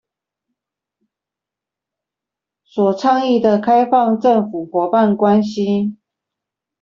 所倡議的開放政府夥伴關係